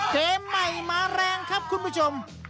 เกมใหม่มาแรงครับคุณผู้ชม